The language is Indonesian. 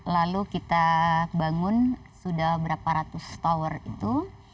lalu kita bangun sudah berapa ratus tower itu